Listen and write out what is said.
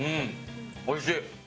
おいしい。